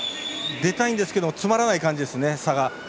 出たいんですけど差が詰まらない感じですね。